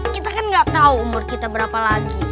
kita kan gak tahu umur kita berapa lagi